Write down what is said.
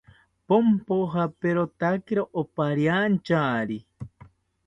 Ponpojaperotakiro opariantyari